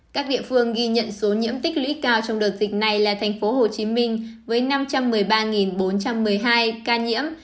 các địa phương ghi nhận số nhiễm tích lũy cao trong đợt dịch này là tp hcm với năm trăm một mươi ba bốn trăm một mươi hai ca nhiễm